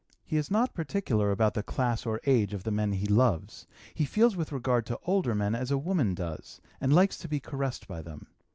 He is not particular about the class or age of the men he loves. He feels with regard to older men as a women does, and likes to be caressed by them.